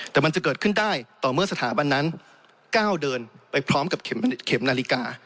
แต่มันจะเกิดขึ้นได้ต่อเมื่อสถาบันนั้นก้าวเดินไปพร้อมกับเข็มนาฬิกา